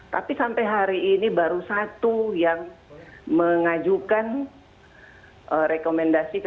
tapi sampai hari ini baru satu yang mengajukan rekomendasi